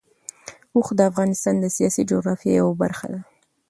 اوښ د افغانستان د سیاسي جغرافیه یوه برخه ده.